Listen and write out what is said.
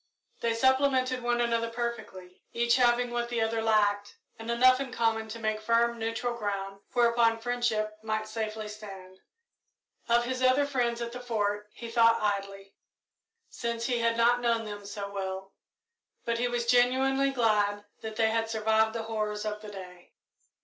They supplemented one another perfectly, each having what the other lacked, and enough in common to make firm neutral ground whereupon friendship might safely stand. Of his other friends at the Fort he thought idly, since he had not known them so well, but he was genuinely glad that they had survived the horrors of the day.